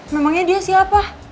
memangnya dia siapa